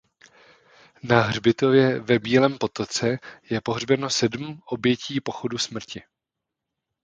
Na hřbitově ve Bílém Potoce je pohřbeno sedm obětí pochodu smrti.